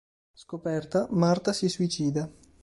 Scoperta, Marta si suicida...